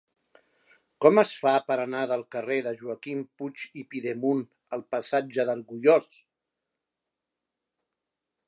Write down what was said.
Com es fa per anar del carrer de Joaquim Puig i Pidemunt al passatge d'Argullós?